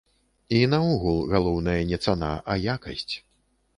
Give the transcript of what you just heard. І наогул, галоўнае не цана, а якасць.